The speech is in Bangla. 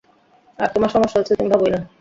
আর তোমার সমস্যা হচ্ছে তুমি ভাবোই না।